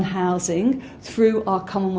dalam empat puluh tahun terakhir di perumahan